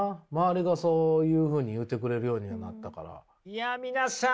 いや皆さん